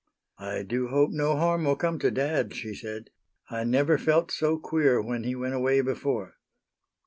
"I do hope no harm will come to dad," she said. "I never felt so queer when he went away before."